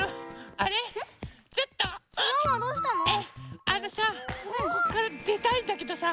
あのさここからでたいんだけどさ